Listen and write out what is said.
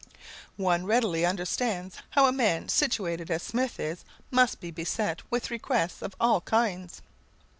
One readily understands how a man situated as Smith is must be beset with requests of all kinds.